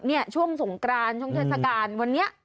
แล้วยิ่งช่วงสงกรานช่วงเทศกาลวันนี้